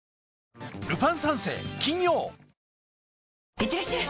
いってらっしゃい！